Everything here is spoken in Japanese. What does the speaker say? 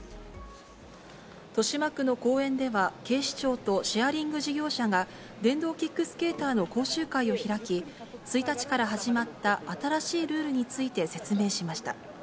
豊島区の公園では、警視庁とシェアリング事業者が電動キックスケーターの講習会を開き、１日から始まった新しいルールについて説明しました。